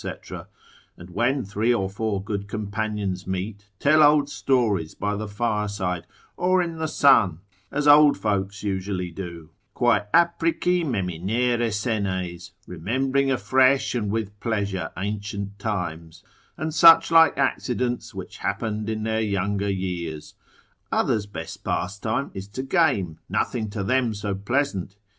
Or when three or four good companions meet, tell old stories by the fireside, or in the sun, as old folks usually do, quae aprici meminere senes, remembering afresh and with pleasure ancient matters, and such like accidents, which happened in their younger years: others' best pastime is to game, nothing to them so pleasant.